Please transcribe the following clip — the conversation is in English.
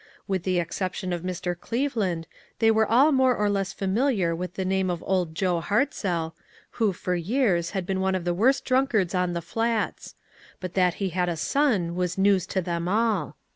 With the exception of Mr. Cleve land, they were all more or less familiar with the name of Old Joe Hartzell, who, for years, had been one of the worst drunk ards on the Flats ; but that he had a son was news to them all.